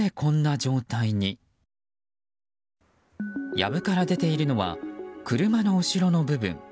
藪から出ているのは車の後ろの部分。